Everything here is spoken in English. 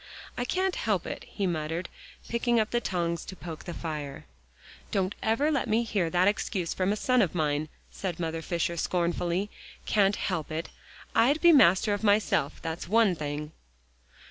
"I can't help it," he muttered, picking up the tongs to poke the fire. "Don't ever let me hear that excuse from a son of mine," said Mother Fisher scornfully. "Can't help it. I'd be master of myself, that's one thing."